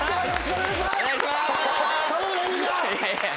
お願いします！